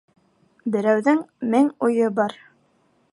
Берәүҙең мең уйы бар.